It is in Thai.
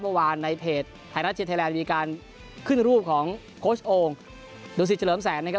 เมื่อวานในเพจภายราชเจนไทยแลนด์มีการขึ้นรูปของโค้ชโอ่งดุสิเฉลิมแสงนะครับ